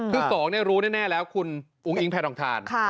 คือ๒เนี่ยรู้แน่แล้วคุณอุ้งอิ๊งแพทย์รองทาน